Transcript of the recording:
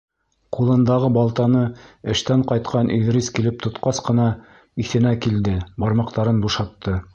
Ҡулындағы балтаны эштән ҡайтҡан Иҙрис килеп тотҡас ҡына, иҫенә килде, бармаҡтарын бушатты.